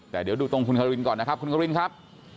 แต่เดี๋ยวดูตรงคุณคารินก่อนนะครับคุณควินครับ